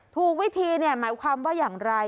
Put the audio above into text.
ถูกวิธีหมายความว่าอย่างไร